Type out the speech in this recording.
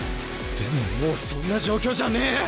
でももうそんな状況じゃねえ！